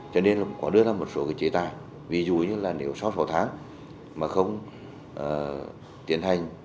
cho nên có đưa ra một số cái chế tài ví dụ như là nếu sau sáu tháng mà không tiến hành